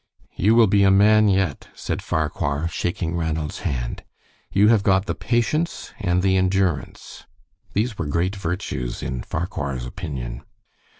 "You will be a man yet," said Farquhar, shaking Ranald's hand. "You have got the patience and the endurance." These were great virtues in Farquhar's opinion.